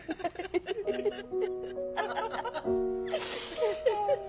ハハハハ！